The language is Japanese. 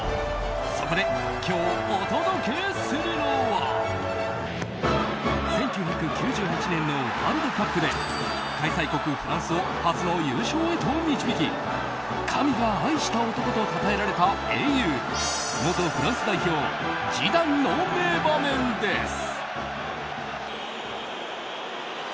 そこで、今日お届けするのは１９９８年のワールドカップで開催国フランスを初の優勝へと導き神が愛した男とたたえられた英雄元フランス代表ジダンの名場面です。